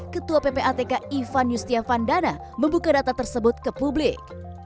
ketua ppatk ivan yustiavandana membuka data tersebut ke publik